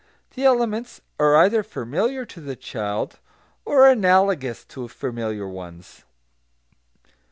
The elements are either familiar to the child or analogous to familiar ones.